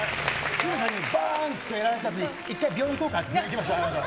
鶴田さんにばーんってやられたとき、一回病院行こうかって、行きました。